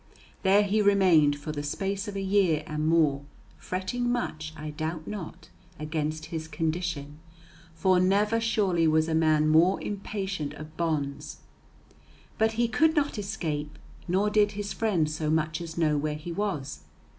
There he remained for the space of a year and more, fretting much, I doubt not, against his condition, for never surely was a man more impatient of bonds. But he could not escape, nor did his friends so much as know where he was.